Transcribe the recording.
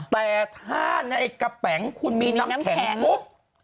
แต่ถ้าในกระแป๋งคุณมีน้ำแข็งปุ๊บ